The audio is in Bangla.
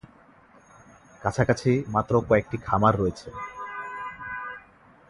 কাছাকাছি মাত্র কয়েকটি খামার রয়েছে।